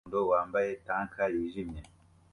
Umugore wumuhondo wambaye tank yijimye